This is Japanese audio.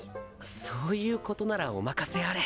そういうことならお任せあれ。